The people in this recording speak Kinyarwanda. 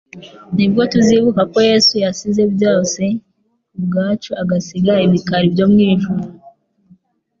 nibwo tuzibuka ko Yesu yasize byose kubwacu, agasiga ibikari byo mu ijuru ;